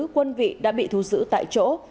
quân vị đã bị thu xử tại chỗ